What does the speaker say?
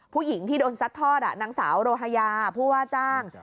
ผู้หญิงที่โดนซัดทอดนางสาวโรฮายาผู้ว่าจ้าง